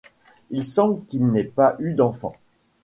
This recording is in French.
Il semble qu'ils n'aient pas eu d'enfant.